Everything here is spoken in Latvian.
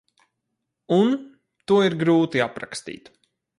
Un – to ir grūti aprakstīt.